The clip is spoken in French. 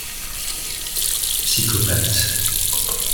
Psychopathe